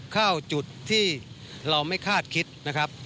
เข้าจุดที่เราไม่คาดคิดนะครับ